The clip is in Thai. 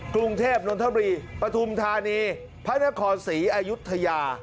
กรุงเทพนนทบุรีปฐุมธานีพระนครศรีอายุทยา